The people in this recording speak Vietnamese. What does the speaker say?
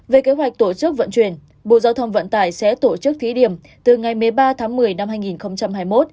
về kế hoạch tổ chức vận chuyển bộ giao thông vận tải sẽ tổ chức thí điểm từ ngày một mươi ba tháng một mươi năm hai nghìn hai mươi một